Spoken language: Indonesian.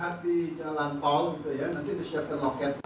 kita di jalan tol nanti disiapkan loket